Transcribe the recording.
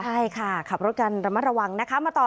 ใช่ค่ะขับรถกันระมัดระวังนะคะ